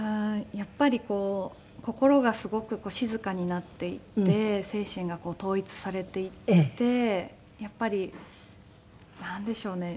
やっぱりこう心がすごく静かになっていって精神が統一されていってやっぱりなんでしょうね。